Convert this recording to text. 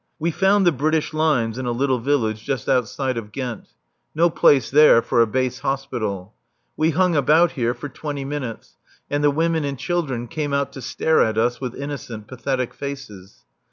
We found the British lines in a little village just outside of Ghent. No place there for a base hospital. We hung about here for twenty minutes, and the women and children came out to stare at us with innocent, pathetic faces.